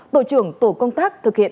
tổ trưởng tổ công tác thực hiện